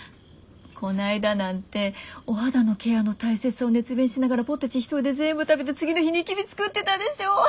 こないだなんてお肌のケアの大切さを熱弁しながらポテチ１人で全部食べて次の日ニキビ作ってたでしょ？